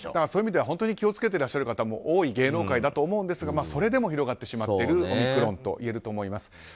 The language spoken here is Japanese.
そういう意味では本当に気を付けていらっしゃる方も多い芸能界だと思うんですが、それでも広がってしまっているオミクロンと言えると思います。